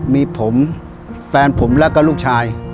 มีผมแฟนผมแล้วก็ลูกชาย